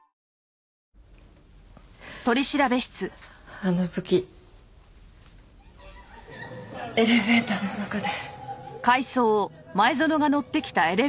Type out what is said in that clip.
あの時エレベーターの中で。